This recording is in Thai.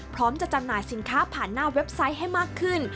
พร้อมจะจำหน่ายสินค้าผ่านหน้าเว็บไซต์ให้มากขึ้น